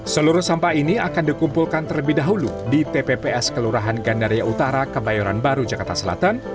seluruh sampah ini akan dikumpulkan terlebih dahulu di tpps kelurahan gandaria utara kebayoran baru jakarta selatan